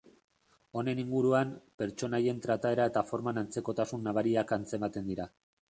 Honen inguruan, pertsonaien trataera era forman antzekotasun nabariak antzematen dira.